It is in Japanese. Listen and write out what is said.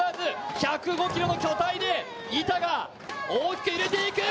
１０５ｋｇの巨体で板が大きく揺れていく。